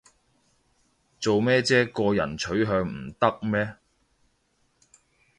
做咩唧個人取向唔得咩